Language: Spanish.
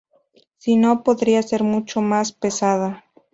Si no, podría ser mucho más pesada.